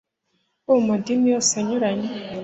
bo mu madini yose anyuranye